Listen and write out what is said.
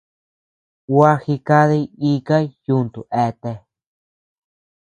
Gua jikadi ika yuntu eatea.